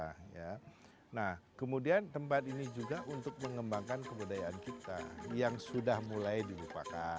pembicara lima puluh sembilan nah kemudian tempat ini juga untuk mengembangkan kebudayaan kita yang sudah mulai dilupakan